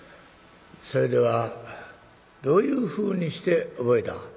それではどういうふうにして覚えた？」。